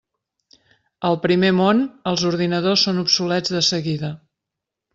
Al primer món, els ordinadors són obsolets de seguida.